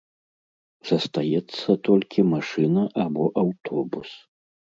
Застаецца толькі машына або аўтобус.